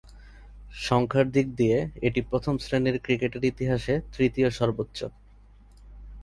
সংখ্যার দিক দিয়ে এটি প্রথম-শ্রেণীর ক্রিকেটের ইতিহাসে তৃতীয় সর্বোচ্চ।